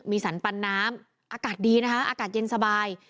มีสรรปันน้ำอากาศดีนะคะอากาศเย็นสบาย